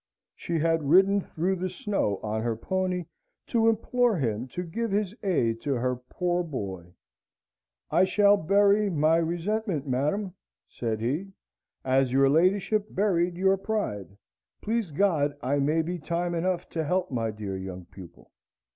She had ridden through the snow on her pony, to implore him to give his aid to her poor boy. "I shall bury my resentment, madam," said he, "as your ladyship buried your pride. Please God, I maybe time enough to help my dear young pupil!"